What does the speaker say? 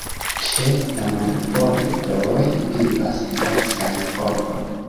Ĉe la marbordoj vivas diversaj fokoj.